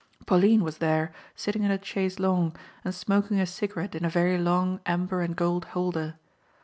Pauline was there sitting in a chaise longue smoking a cigarette in a very long amber and gold holder.